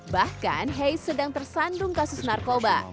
bahkan hay sedang tersandung kasus narkoba